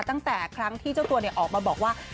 ตั้งแต่ครั้งที่เจ้าตัวออกมาบอกว่า